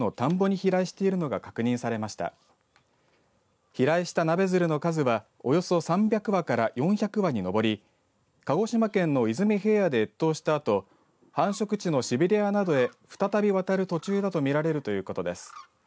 飛来したナベヅルの数はおよそ３００羽から４００羽に上り鹿児島県の出水平野で越冬したあと繁殖地のシベリアなどへ再び渡る途中だと見られるということです。